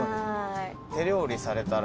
手料理されたら。